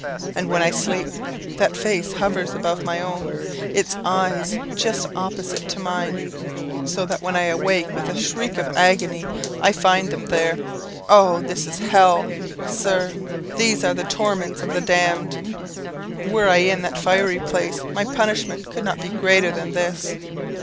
And when I sleep, that face just hovers above my own, its eyes just opposite to mine; so that when I awake with a shriek of agony, I find them there. Oh! this is hell, Sir these are the torments of the damned! Were I in that fiery place, my punishment could not be greater than this.'